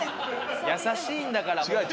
優しいんだからもう。